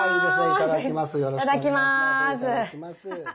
いただきます。